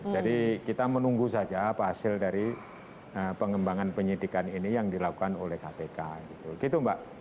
jadi kita menunggu saja apa hasil dari pengembangan penyidikan ini yang dilakukan oleh kpk gitu mbak